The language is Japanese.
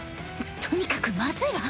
とにかくまずいわ。